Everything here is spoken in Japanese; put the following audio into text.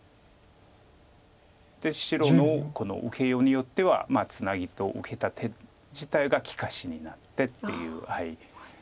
白の受けようによってはツナギと受けた手自体が利かしになってっていう。